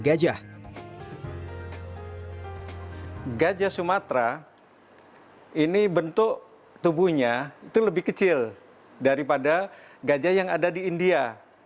gajah sumatera ini bentuk tubuhnya itu lebih kecil daripada gajah yang ada di india